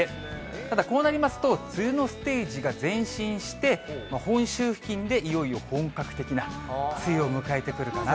ただこうなりますと、梅雨のステージが前進して、本州付近でいよいよ本格的な梅雨を迎えてくるのかなと。